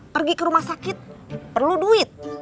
pergi ke rumah sakit perlu duit